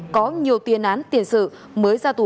có nhiều tiền án tiền sự mới ra tù